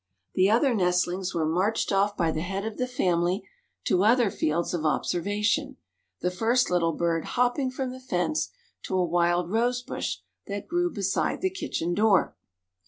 The other nestlings were marched off by the head of the family to other fields of observation, the first little bird hopping from the fence to a wild rosebush that grew beside the kitchen door.